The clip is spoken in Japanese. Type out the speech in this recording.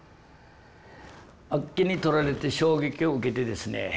あっけにとられて衝撃を受けてですね